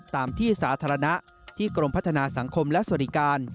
ตามที่สาธารณะที่กรมพัฒนาสังคมและสวัสดิการ